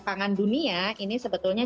pangan dunia ini sebetulnya